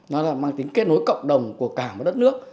nó là mang tính kết nối cộng đồng của cả một đất nước